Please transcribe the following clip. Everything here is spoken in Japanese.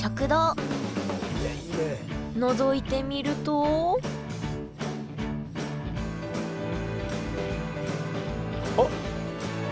のぞいてみるとあっ！